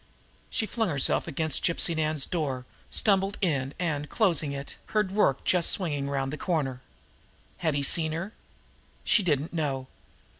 She flung herself against Gypsy Nan's door, stumbled in, and, closing it, heard Rorke just swinging around the corner. Had he seen her? She didn't know.